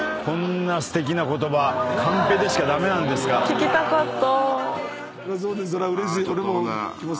聞きたかった。